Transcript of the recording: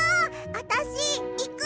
あたしいく！